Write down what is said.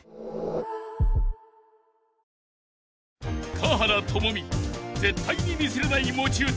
［華原朋美絶対にミスれない持ち歌